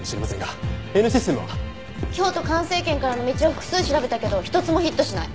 京都環生研からの道を複数調べたけど一つもヒットしない。